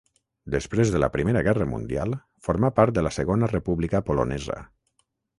Després de la Primera Guerra Mundial formà part de la Segona República Polonesa.